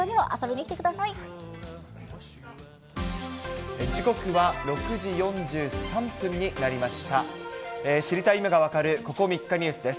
知りたい今がわかるここ３日ニュースです。